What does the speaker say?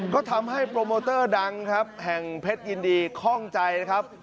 ก็ทำให้โปรโมเตอร์ดังครับแห่งเพชรยินดีคล่องใจนะครับ